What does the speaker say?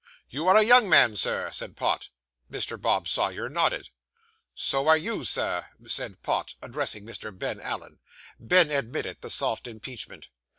'You are a young man, sir,' said Pott. Mr. Bob Sawyer nodded. 'So are you, sir,' said Pott, addressing Mr. Ben Allen. Ben admitted the soft impeachment.